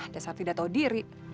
dasar tidak tau diri